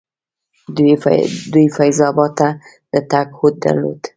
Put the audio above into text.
دوی فیض اباد ته د تګ هوډ درلودل.